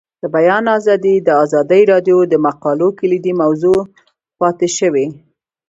د بیان آزادي د ازادي راډیو د مقالو کلیدي موضوع پاتې شوی.